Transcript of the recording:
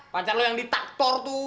pacar lo yang di taktor tuh